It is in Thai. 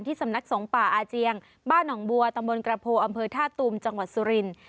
สำนักสงฆ์ป่าอาเจียงบ้านหนองบัวตำบลกระโพอำเภอท่าตูมจังหวัดสุรินทร์